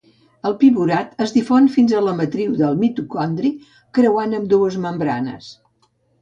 El piruvat es difon fins a la matriu del mitocondri, creuant ambdues membranes.